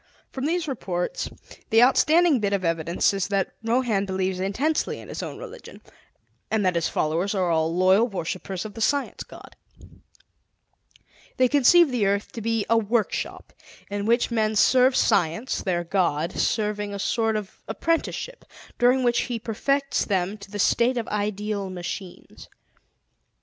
From these reports, the outstanding bit of evidence is that Rohan believes intensely in his own religion, and that his followers are all loyal worshippers of the Science God. They conceive the earth to be a workshop in which men serve Science, their God, serving a sort of apprenticeship during which He perfects them to the state of ideal machines.